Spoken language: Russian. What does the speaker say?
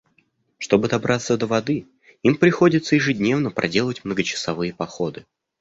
Чтобы добраться до воды, им приходится ежедневно проделывать многочасовые походы.